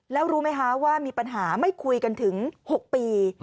แล้วรู้ไหมคะว่ามีปัญหาไม่คุยกันถึง๖ปี